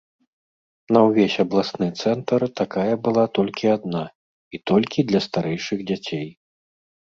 На ўвесь абласны цэнтр такая была толькі адна і толькі для старэйшых дзяцей.